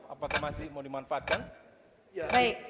apakah masih mau dimanfaatkan